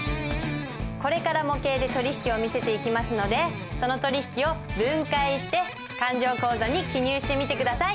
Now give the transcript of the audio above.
これから模型で取引を見せていきますのでその取引を分解して勘定口座に記入してみて下さい。